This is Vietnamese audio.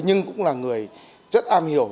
nhưng cũng là người rất am hiểu